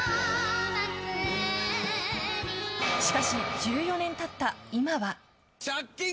しかし、１４年経った今は。